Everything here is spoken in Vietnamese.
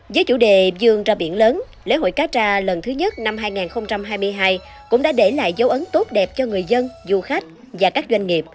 với chủ đề dương ra biển lớn lễ hội cá tra lần thứ nhất năm hai nghìn hai mươi hai cũng đã để lại dấu ấn tốt đẹp cho người dân du khách và các doanh nghiệp